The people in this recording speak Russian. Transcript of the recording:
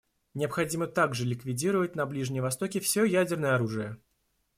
Необходимо также ликвидировать на Ближнем Востоке все ядерное оружие.